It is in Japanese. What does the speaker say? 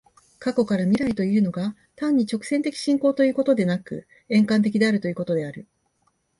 過去から未来へというのが、単に直線的進行ということでなく、円環的であるということである。